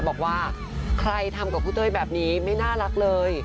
บอกว่าใครทำกับครูเต้ยแบบนี้ไม่น่ารักเลย